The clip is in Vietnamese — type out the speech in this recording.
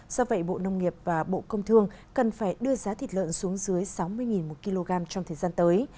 do vậy bộ nông nghiệp và bộ công thương cần phải đưa giá thịt lợn xuống dưới sáu mươi một kg trong thời gian tới